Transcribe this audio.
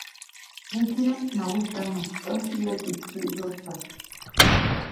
‒Mijtsidaʼm ma wijtamä, ʼäjtsi yäʼkiʼtsi tsäʼtsyäʼtspa-.